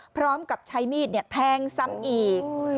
พร้อมกับใช้มีดแทงซ้ำอีก